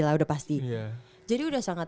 lah udah pasti jadi udah sangat